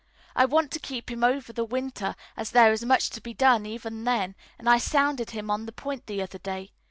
I want to keep him over the winter, as there is much to be done even then, and I sounded him on the point the other day.